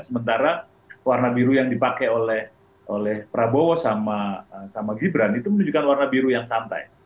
sementara warna biru yang dipakai oleh oleh prabowo sama sama gibran itu menunjukkan warna biru yang santai